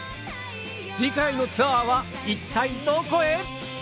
次回のツアーは一体どこへ？